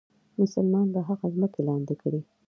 مسلمانان به هغه ځمکې لاندې کړي.